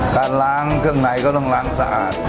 การล้างเครื่องในก็ต้องล้างสะอาด